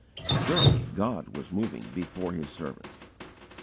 Surely God was moving before His servant.